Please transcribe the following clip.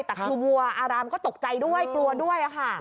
แต่คือวัวอารามก็ตกใจด้วยกลัวด้วยค่ะ